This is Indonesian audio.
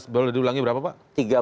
tiga belas boleh diulangi berapa pak